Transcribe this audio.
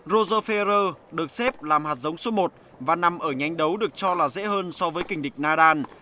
roger ferrer được xếp làm hạt giống số một và nằm ở nhanh đấu được cho là dễ hơn so với kinh địch nadal